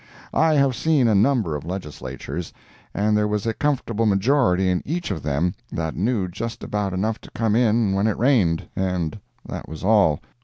I have seen a number of Legislatures, and there was a comfortable majority in each of them that knew just about enough to come in when it rained, and that was all.